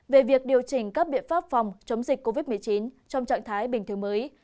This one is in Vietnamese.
về việc điều chỉnh các biện pháp phòng chống dịch covid một mươi chín trong trạng thái bình thường mới